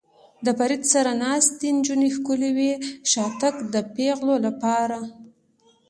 له فرید سره ناستې نجونې ښکلې وې، شاتګ د پېغلو لپاره.